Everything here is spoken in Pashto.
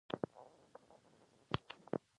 د سولي او دوستي تړون لاسلیک کړ.